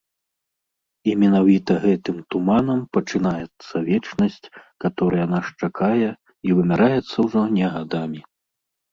І менавіта гэтым туманам пачынаецца вечнасць, каторая нас чакае і вымяраецца ўжо не гадамі.